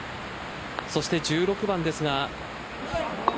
そして１６番ですが。